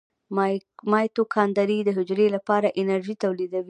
مایتوکاندري د حجرې لپاره انرژي تولیدوي